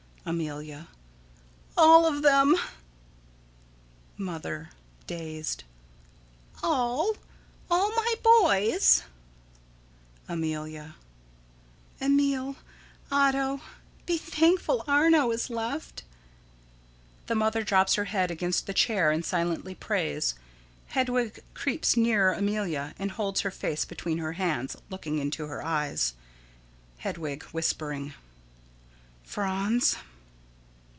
Amelia: All of them. Mother: [Dazed.] All? All my boys? Amelia: Emil, Otto be thankful Arno is left. [_The Mother drops her head back against the chair and silently prays. Hedwig creeps nearer Amelia and holds her face between her hands, looking into her eyes._] Hedwig: [Whispering.] Franz?